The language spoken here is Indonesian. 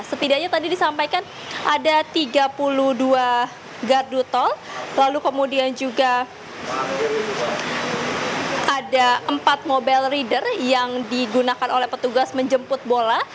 setidaknya tadi disampaikan ada tiga puluh dua gardu tol lalu kemudian juga ada empat mobile reader yang digunakan oleh petugas menjemput bola